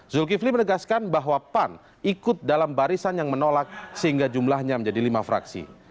zulkifli menegaskan bahwa pan ikut dalam barisan yang menolak sehingga jumlahnya menjadi lima fraksi